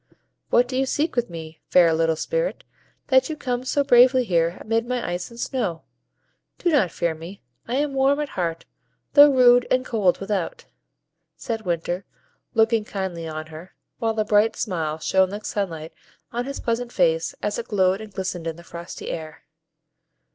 "What do you seek with me, fair little Spirit, that you come so bravely here amid my ice and snow? Do not fear me; I am warm at heart, though rude and cold without," said Winter, looking kindly on her, while a bright smile shone like sunlight on his pleasant face, as it glowed and glistened in the frosty air.